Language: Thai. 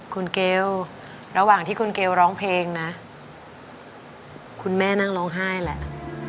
คุณเกลระหว่างที่คุณเกลร้องเพลงนะคุณแม่นั่งร้องไห้แหละ